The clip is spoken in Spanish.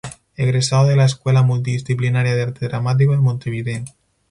Egresado de la Escuela Multidisciplinaria de Arte Dramático de Montevideo.